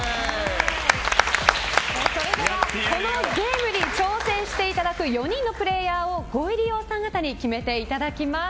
それではこのゲームに挑戦していただく４人のプレーヤーをご入り用さん方に決めていただきます。